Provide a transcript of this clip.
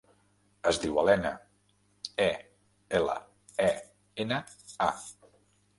Es diu Elena: e, ela, e, ena, a.